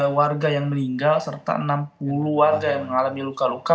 ada satu ratus lima puluh tiga warga yang meninggal serta enam puluh warga yang mengalami luka luka